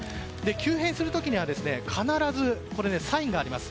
急変する時には必ずサインがあります。